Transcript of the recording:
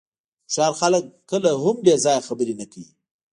هوښیار خلک کله هم بې ځایه خبرې نه کوي.